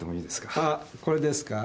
あーこれですか？